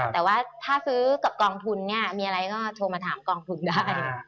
แต่ว่าถ้าซื้อกับกองทุนเนี่ยมีอะไรก็โทรมาถามกองทุนได้